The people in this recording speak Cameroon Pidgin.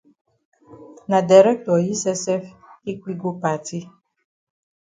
Na dirctor yi sef sef take we go party.